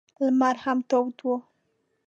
لمر هم تود و.